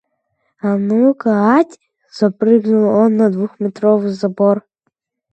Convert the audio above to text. «А ну-ка... ать!» — запрыгнул он на двухметровый забор.